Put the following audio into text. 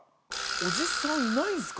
おじさんないんですか？